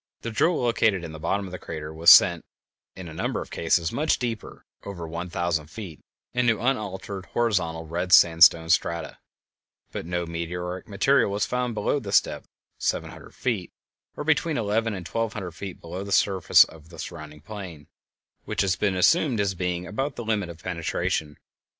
The drill located in the bottom of the crater was sent, in a number of cases, much deeper (over one thousand feet) into unaltered horizontal red sandstone strata, but no meteoric material was found below this depth (seven hundred feet, or between eleven and twelve hundred feet below the level of the surrounding plain), which has been assumed as being about the limit of penetration.